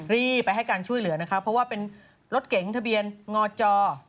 รีบไปให้การช่วยเหลือนะคะเพราะว่าเป็นรถเก๋งทะเบียนงอจ